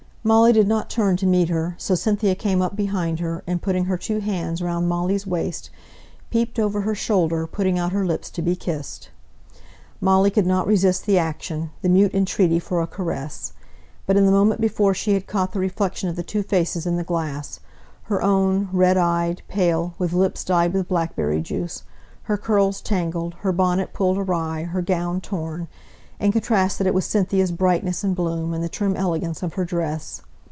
Molly did not turn to meet her, so Cynthia came up behind her, and putting her two hands round Molly's waist, peeped over her shoulder, putting out her lips to be kissed. Molly could not resist the action the mute entreaty for a caress. But, in the moment before, she had caught the reflection of the two faces in the glass; her own, red eyed, pale, with lips dyed with blackberry juice, her curls tangled, her bonnet pulled awry, her gown torn and contrasted it with Cynthia's brightness and bloom, and the trim elegance of her dress.